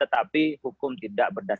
tetapi hukum tidak berdalam